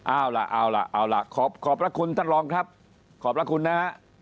เอาล่ะเอาล่ะเอาล่ะขอบคุณท่านรองครับขอบคุณนะ